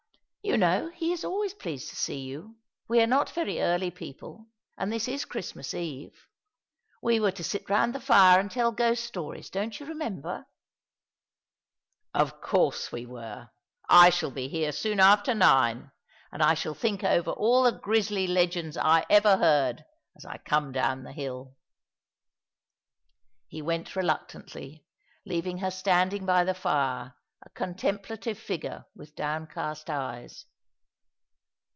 " You know he is always pleased to see you — we are not very early people — and this is Christmas Eve. We were to sit round the fire and tell ghost stories, don't you remember? "" Of course we were. I shall be here soon after nine, and I shall think over all the grizzly legends I ever beard, as I come down the hill." He went reluctantly, leaving her standing by the fire, a contemplative figure with downcast eyes.